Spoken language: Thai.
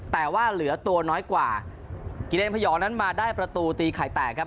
แต่ว่าเหลือตัวน้อยกว่ากิเลนพยองนั้นมาได้ประตูตีไข่แตกครับ